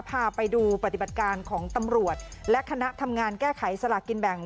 พาไปดูปฏิบัติการของตำรวจและคณะทำงานแก้ไขสลากกินแบ่ง